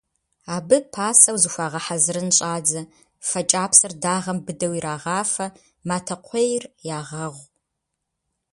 Абы пасэу зыхуагъэхьэзырын щӀадзэ: фэ кӀапсэр дагъэм быдэу ирагъафэ, матэ кхъуейр ягъэгъу.